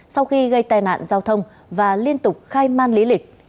sau khi gây tai nạn giao thông và liên tục khai man lý lịch